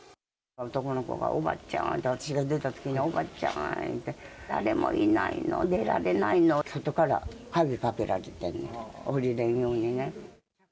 男の子が、おばちゃんって、私が出たときに、おばちゃん言うて、誰もいないの、出られないの、外から鍵かけられて、下りれんようにね。